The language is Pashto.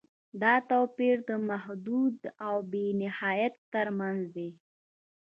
دا توپیر د محدود او بې نهایت تر منځ دی.